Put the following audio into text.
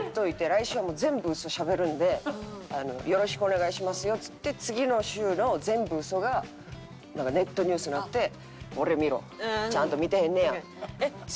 来週は全部ウソしゃべるんでよろしくお願いしますよっつって次の週の全部ウソがネットニュースになって「ほれ見ろ。ちゃんと見てへんねや」。